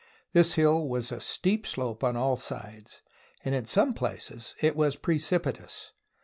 This hill was a steep slope on all sides, and in some places it was precipitous.